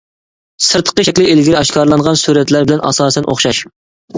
سىرتقى شەكلى ئىلگىرى ئاشكارىلانغان سۈرەتلەر بىلەن ئاساسەن ئوخشاش.